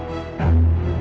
tetap mer ganas ganas